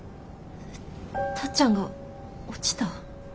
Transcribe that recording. タッちゃんが落ちた？